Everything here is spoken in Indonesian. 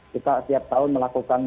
kita setiap tahun melakukan